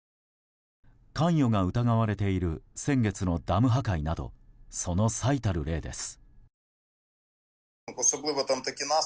関与が疑われている先月のダム破壊などその最たる例です。